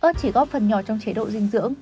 ước chỉ góp phần nhỏ trong chế độ dinh dưỡng